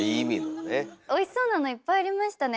おいしそうなのいっぱいありましたね。